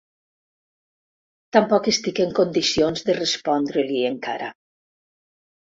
Tampoc estic en condicions de respondre-li, encara.